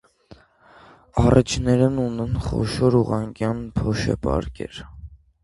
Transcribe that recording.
Առէջներն ունեն խոշոր, ուղղանկյուն փոշեպարկեր։